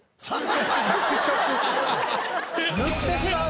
塗ってしまう？